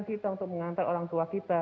kita untuk mengantar orang tua kita